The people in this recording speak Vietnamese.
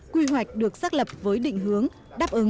quy hoạch được xác lập với định hướng đáp ứng